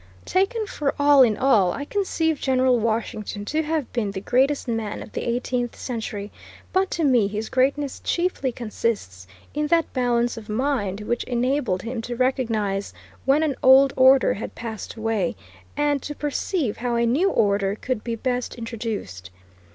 Taken for all in all, I conceive General Washington to have been the greatest man of the eighteenth century, but to me his greatness chiefly consists in that balance of mind which enabled him to recognize when an old order had passed away, and to perceive how a new order could be best introduced.